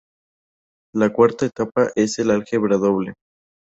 La cuarta etapa es el "álgebra doble".